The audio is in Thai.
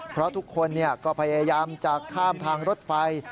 เพราะทุกคนก็พยายามจะข้ามทางรถไฟ